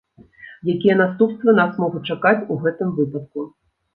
Якія наступствы нас могуць чакаць у гэтым выпадку?